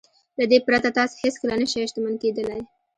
له دې پرته تاسې هېڅکله نه شئ شتمن کېدلای.